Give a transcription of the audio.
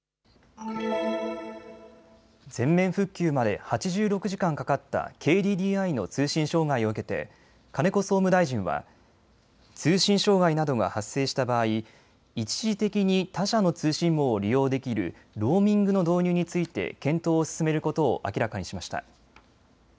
全面復旧まで８６時間かかったＫＤＤＩの通信障害を受けて金子総務大臣は通信障害などが発生した場合、一時的に他社の通信網を利用できるローミングの導入について検討を進めることを明らかにしました。